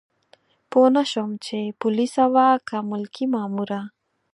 پوه نه شوم چې پولیسه وه که ملکي ماموره.